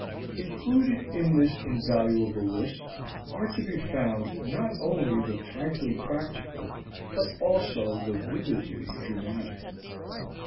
Included in this invaluable list are to be found not only the frankly practical but also the vividly dramatic.